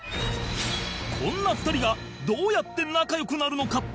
こんな２人がどうやって仲良くなるのか？